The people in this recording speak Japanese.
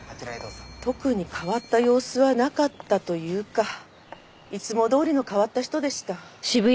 特に変わった様子はなかったというかいつもどおりの変わった人でした。